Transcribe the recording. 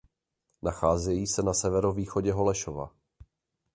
Nacházejí se na severovýchodě Holešova.